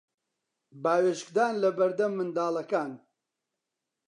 باوێشکدان لە بەردەم منداڵەکان